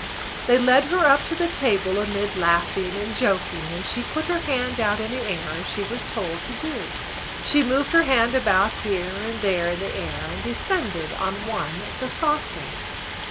They led her up to the table amid laughing and joking and she put her hand out in the air as she was told to do. She moved her hand about here and there in the air and descended on one of the saucers.